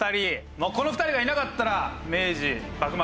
もうこの２人がいなかったら明治幕末